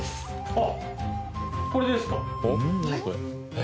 あっこれですか？